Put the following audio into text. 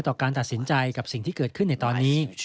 การตัดสินใจกับสิ่งที่เกิดขึ้นในตอนนี้